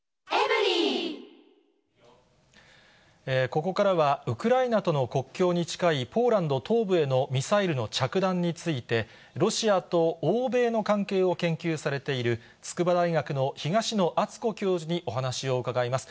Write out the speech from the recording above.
ここからは、ウクライナとの国境に近いポーランド東部へのミサイルの着弾について、ロシアと欧米の関係を研究されている筑波大学の東野篤子教授にお話を伺います。